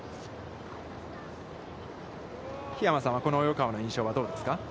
桧山さんはこの及川の印象はどうですか。